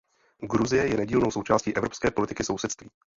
Gruzie je nedílnou součástí evropské politiky sousedství.